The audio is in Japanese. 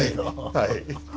はい。